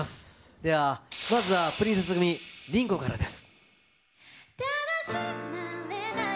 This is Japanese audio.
では、まずはプリンセス組、リンコからです。